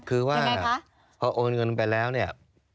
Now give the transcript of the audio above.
คือว่าพอโอนเงินไปแล้วเนี่ย